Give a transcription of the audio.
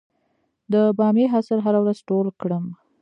د بامیې حاصل هره ورځ ټول کړم؟